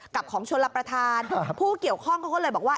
ของชนรับประทานผู้เกี่ยวข้องเขาก็เลยบอกว่า